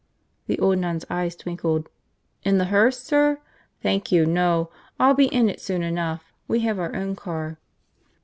The old nun's eyes twinkled. "In the hearse, sir? Thank you, no, I'll be in it soon enough. We have our own car."